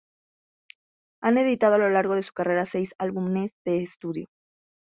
Han editado a lo largo de su carrera seis álbumes de estudio.